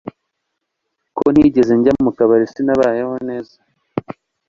ko ntigeze njya mukabare sinabayeho neza